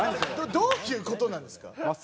どういう事なんですか？